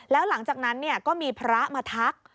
แล้วหลังจากนั้นก็มีพระมาทัก